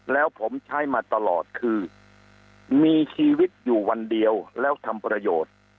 แล้วผมใช้มาตลอดคือมีชีวิตอยู่วันเดียวแล้วทำประโยชน์